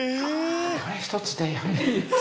これ１つで。